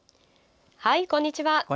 こんにちは。